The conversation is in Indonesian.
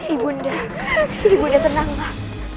ibu nda ibu nda tenanglah